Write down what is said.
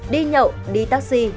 đi nhậu đi taxi